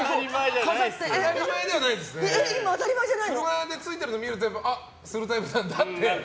車でついてるの見るとあ、するタイプなんだって。